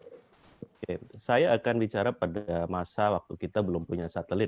oke saya akan bicara pada masa waktu kita belum punya satelit